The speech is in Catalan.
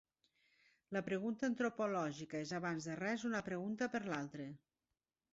La pregunta antropològica és abans de res una pregunta per l'altre.